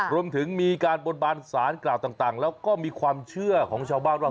รวมถึงมีการบนบานสารกล่าวต่างแล้วก็มีความเชื่อของชาวบ้านว่า